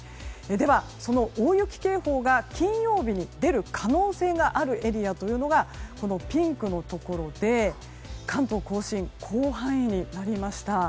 その大雪警報が金曜日に出る可能性があるエリアというのがピンクのところで関東・甲信広範囲になりました。